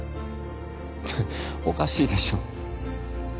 おかしいでしょ